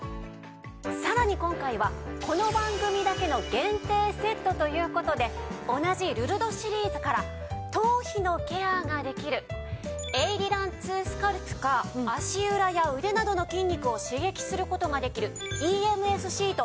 さらに今回はこの番組だけの限定セットという事で同じルルドシリーズから頭皮のケアができるエイリラン２スカルプか足裏や腕などの筋肉を刺激する事ができるＥＭＳシート